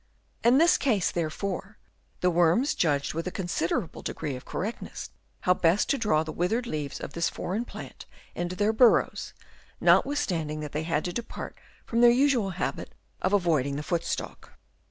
In this case, therefore, the worms judged with a considerable degree of correctness how best to draw the withered leaves of this foreign plant into their burrows ; notwithstanding that they had to depart from their usual habit of avoiding the foot stalk.